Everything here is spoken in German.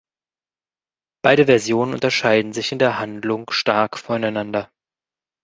Beide Versionen unterscheiden sich in der Handlung stark voneinander.